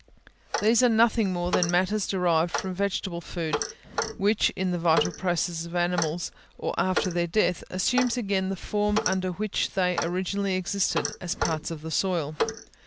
These are nothing more than matters derived from vegetable food, which in the vital processes of animals, or after their death, assume again the form under which they originally existed, as parts of the soil.